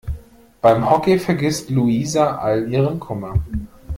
Beim Hockey vergisst Luisa all ihren Kummer.